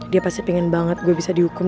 dia pasti pengen banget gue bisa dihukum